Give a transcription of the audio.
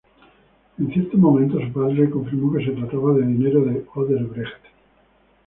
En cierto momento, su padre le confirmó que se trataba de dinero de Odebrecht.